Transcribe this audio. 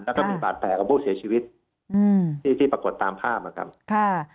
แล้วก็มีปากแผลกับผู้เสียชีวิตที่ปรากฏตามภาพเหมือนกัน